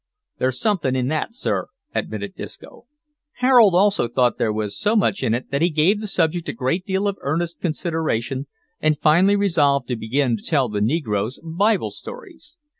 "There's something in that sir," admitted Disco. Harold also thought there was so much in it that he gave the subject a great deal of earnest consideration, and finally resolved to begin to tell the negroes Bible stories.